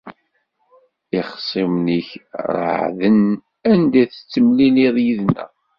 Ixṣimen-ik reɛden anda i tettemliliḍ yid-neɣ.